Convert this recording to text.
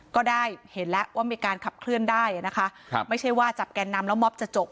ก็ได้เห็นแล้วว่ามีการขับเคลื่อนได้นะคะครับไม่ใช่ว่าจับแกนนำแล้วมอบจะจบ